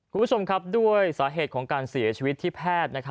คุณผู้ชมครับด้วยสาเหตุของการเสียชีวิตที่แพทย์